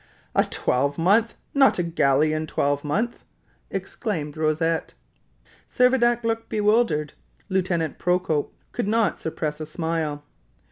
"A twelvemonth! Not a Gallian twelvemonth?" exclaimed Rosette. Servadac looked bewildered. Lieutenant Procope could not suppress a smile.